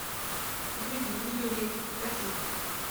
Rue du Briolet, Verdun